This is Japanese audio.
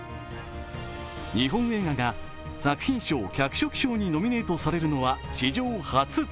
日本映画が作品賞・脚色賞にノミネートとされるのは史上初。